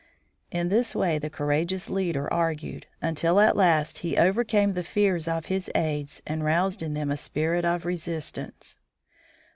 In this way the courageous leader argued, until, at last, he overcame the fears of his aids and roused in them a spirit of resistance.